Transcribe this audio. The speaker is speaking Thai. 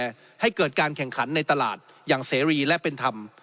และให้เกิดการแข่งขันในตลาดอย่างเสรีและเป็นธรรม